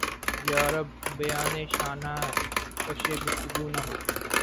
یارب! بیانِ شانہ کشِ گفتگو نہ ہو!